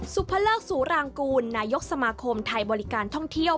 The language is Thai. สุภเลิกสุรางกูลนายกสมาคมไทยบริการท่องเที่ยว